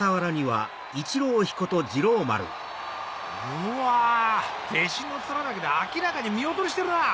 うわ弟子のツラだけで明らかに見劣りしてるな。